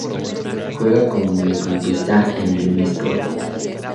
Juega como mediocampista en el Mixco